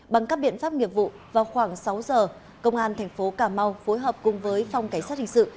bằng các biện pháp nghiệp vụ vào khoảng sáu giờ công an thành phố cà mau phối hợp cùng với phòng cảnh sát hình sự